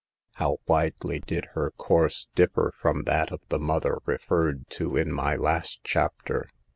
How widely did her course differ from that of the mother referred to in my last chapter